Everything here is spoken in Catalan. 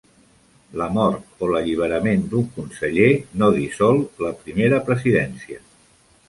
La mort o l'alliberament d'un conseller no dissol la Primera Presidència.